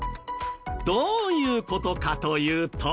どういう事かというと。